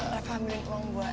reva ambilin keuang buat